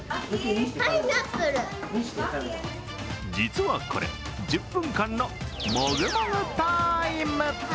実はこれ、１０分間のもぐもぐタイム。